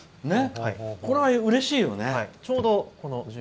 これはうれしいよね。